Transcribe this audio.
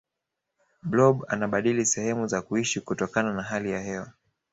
blob anabadili sehemu za kuishi kutokana na hali ya hewa